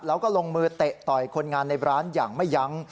แล้วก็ลงมือเตะต่อยคนงานในร้านอย่างไม่ยั้ง